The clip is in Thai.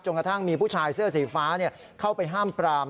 กระทั่งมีผู้ชายเสื้อสีฟ้าเข้าไปห้ามปราม